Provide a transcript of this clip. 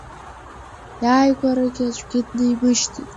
Иааигәарагьы аӡәгьы днеимышьҭит.